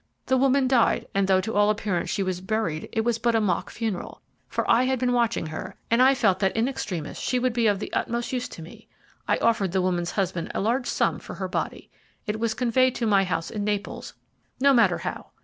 The woman died, and though to all appearance she was buried, it was but a mock funeral. For I had been watching her, and I felt that in extremis she would be of the utmost use to me. I offered the woman's husband a large sum for her body. It was conveyed to my house in Naples, no matter how.